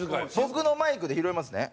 僕のマイクで拾いますね。